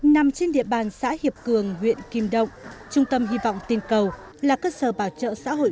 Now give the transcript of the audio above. nằm trên địa bàn xã hiệp cường huyện kim động trung tâm hy vọng tìm cầu là cơ sở bảo trợ xã hội